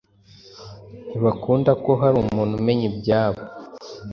ntibakunda ko hari umuntu umenya ibyabo